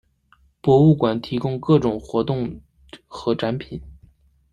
博物馆提供各种活动和展品。